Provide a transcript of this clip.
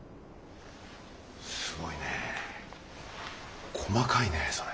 すごいねえ細かいねそれ。